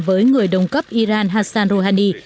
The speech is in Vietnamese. với người đồng cấp iran hassan rouhani